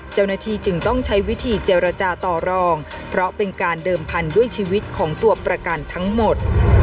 เจ้าหน้าที่จึงต้องใช้วิธีเจรจาต่อรองเพราะเป็นการเดิมพันธุ์ด้วยชีวิตของตัวประกันทั้งหมด